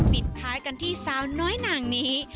ปิดท้ายกันที่สาวน้อยนางนี้